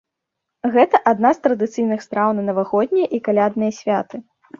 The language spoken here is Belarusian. Гэта адна з традыцыйных страў на навагоднія і калядныя святы.